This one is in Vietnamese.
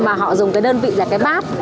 mà họ dùng cái đơn vị là cái bát